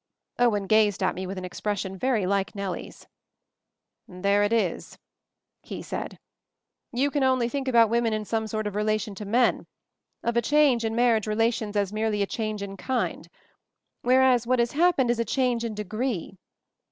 Owen gazed at me with an expression very like Nellie's. "There it is," he said. "You can only think about women in some sort of relation to men, of a change in marriage relations as merely a change in kind; whereas what has hap pened is a change in degree.